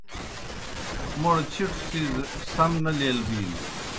موْڑ چِٹھوْ څِیز سم نی لیل بِینوْ۔